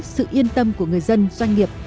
sự yên tâm của người dân doanh nghiệp